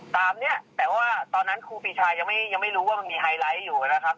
ตามเนี่ยแต่ว่าตอนนั้นครูปีชายังไม่รู้ว่ามันมีไฮไลท์อยู่นะครับ